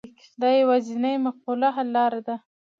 دا یوازینۍ معقوله حل لاره ده.